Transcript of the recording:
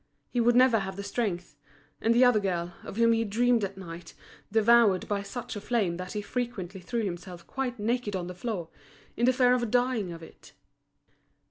He would never have the strength. And the other girl, of whom he dreamed at night, devoured by such a flame that he frequently threw himself quite naked on the floor, in the fear of dying of it.